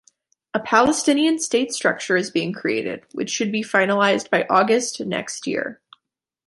A Palestinian state structure is being created, which should be finalized by August next year.